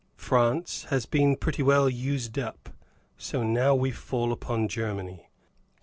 France has been pretty well used up, so now we fall upon Germany.